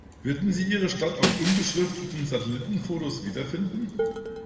Würden Sie Ihre Stadt auf unbeschrifteten Satellitenfotos wiederfinden?